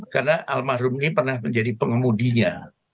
karena almarhum ini pernah menjadi pengemudinya